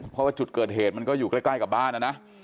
เพราะว่าจุดเกิดเหตุมันก็อยู่ใกล้กับบ้านนะนะ